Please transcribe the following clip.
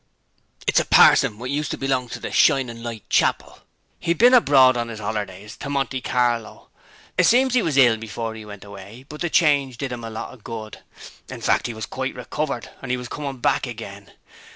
'It's a parson what used to belong to the "Shining Light" Chapel. He'd been abroad for 'is 'ollerdays to Monte Carlo. It seems 'e was ill before 'e went away, but the change did 'im a lot of good; in fact, 'e was quite recovered, and 'e was coming back again.